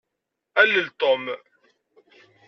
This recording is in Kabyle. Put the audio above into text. Alel Tom.